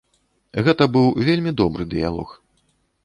Гэта быў вельмі добры дыялог.